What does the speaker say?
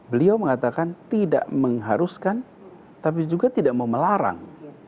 beliau mengatakan tidak mengharuskan tapi juga tidak mau melarang